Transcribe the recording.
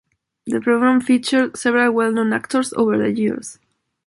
The programme featured several well-known actors over the years.